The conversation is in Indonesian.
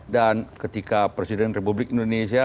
dan ketika presiden republik indonesia